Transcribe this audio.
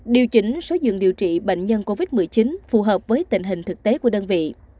điều chỉnh số giường điều trị bệnh nhân covid một mươi chín phù hợp với tình hình thực tế của đơn vị